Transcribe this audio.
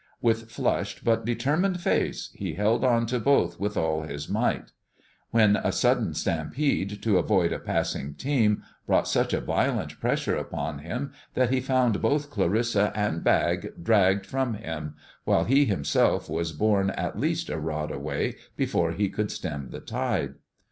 With flushed but determined face he held on to both with all his might, when a sudden stampede, to avoid a passing team, brought such a violent pressure upon him that he found both Clarissa and bag dragged from him, while he himself was borne at least a rod away before he could stem the tide.